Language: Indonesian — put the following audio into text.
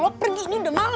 lo pergi ini udah malem